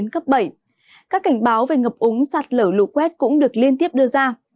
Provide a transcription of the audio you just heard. các cảnh báo về ngập úng sạt lở lũ quét cũng được liên tiếp đưa ra